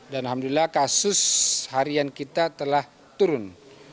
dan alhamdulillah kasus harian kita telah turun